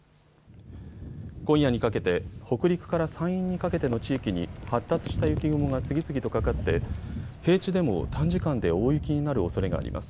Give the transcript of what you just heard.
今夜にかけて、北陸から山陰にかけての地域に発達した雪雲が次々とかかって平地でも短時間で大雪になるおそれがあります。